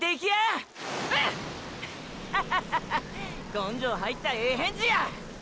根性入ったええ返事や！！